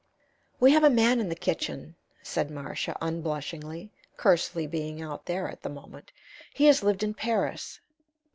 "We have a man in the kitchen," said Marcia, unblushingly, Kersley being out there at the moment. "He has lived in Paris."